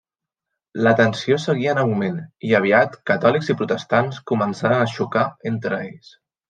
La tensió seguí en augment, i aviat catòlics i protestants començaren a xocar entre ells.